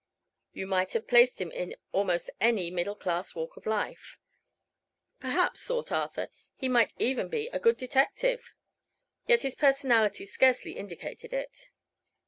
You might have placed him in almost any middle class walk in life. Perhaps, thought Arthur, he might even be a good detective! yet his personality scarcely indicated it.